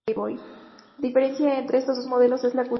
La diferencia entre estos dos modelos es la culata.